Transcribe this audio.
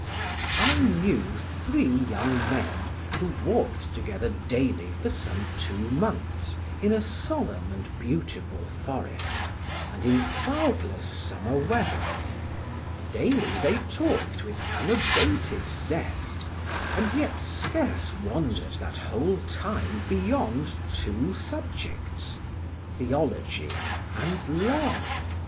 I knew three young men who walked together daily for some two months in a solemn and beautiful forest and in cloudless summer weather; daily they talked with unabated zest, and yet scarce wandered that whole time beyond two subjects theology and love.